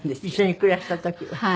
一緒に暮らした時は。